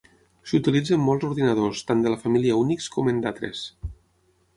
S'utilitza en molts ordinadors tant de la família Unix com en d'altres.